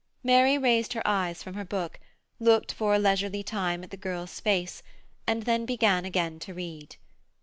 Mary raised her eyes from her book, looked for a leisurely time at the girl's face, and then began again to read.